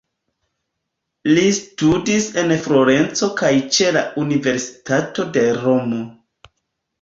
Li studis en Florenco kaj ĉe la universitato de Romo.